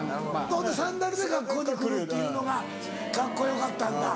ほんでサンダルで学校に来るっていうのがカッコ良かったんだ。